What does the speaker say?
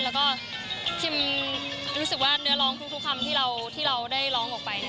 แล้วก็คิมรู้สึกว่าเนื้อร้องทุกคำที่เราได้ร้องออกไป